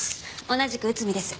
同じく内海です。